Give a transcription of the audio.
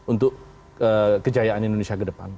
untuk kejayaan indonesia ke depan